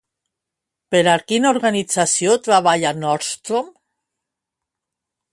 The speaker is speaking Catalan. Per a quina organització treballa Nordstrom?